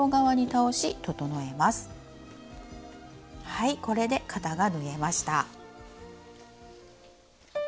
はいこれで肩が縫えました。